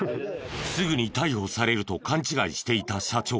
すぐに逮捕されると勘違いしていた社長。